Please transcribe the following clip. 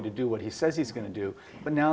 untuk melakukan apa yang dia katakan akan dilakukan